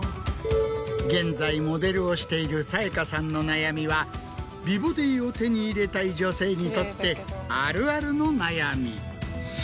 現在モデルをしている沙耶香さんの悩みは美ボディーを手に入れたい女性にとってあるあるの悩み。